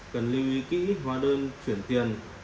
cần lưu ý kỹ hóa đơn chuyển tiền